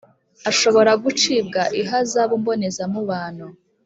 Ashobora gucibwa ihazabu mbonezamubano